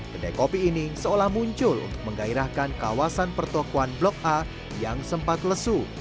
pendai kopi ini seolah muncul untuk menggairahkan kawasan pertukuan blok a yang sempat lesu